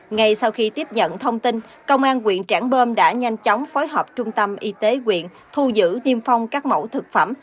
ngay sau khi tiếp nhận thông tin công an quyện trảng bơm đã nhanh chóng phối hợp trung tâm y tế quyện thu giữ niêm phong các mẫu thực phẩm